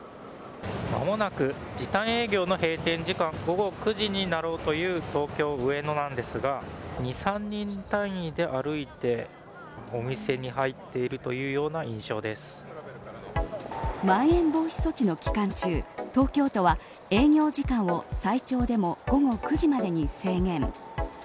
間もなく、時短営業の閉店時間午後９時になろうという東京、上野なんですが２、３人単位で歩いてお店に入っているまん延防止措置の期間中東京都は営業時間を最長でも午後９時までに制限。